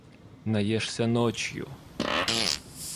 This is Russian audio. Наешься ночью.